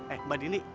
eh mbak dini